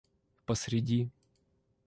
посреди